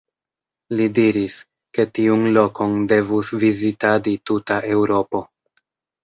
Li diris, ke tiun lokon devus vizitadi tuta Eŭropo.